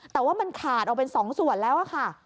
แต่ว่ามันขาดออกเป็น๒ส่วนแล้วค่ะ